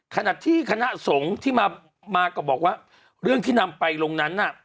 ขณะที่คณะสงฆ์ที่มาก็บอกว่าเรื่องที่นำไปลงนั้นน่ะ